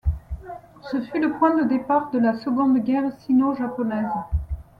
Ce fut le point de départ de la seconde guerre sino-japonaise.